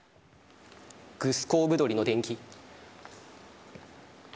『グスコーブドリの伝記』。